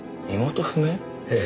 ええ。